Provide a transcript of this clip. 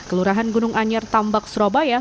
kelurahan gunung anyar tambak surabaya